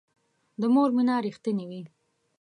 د مور مینه رښتینې وي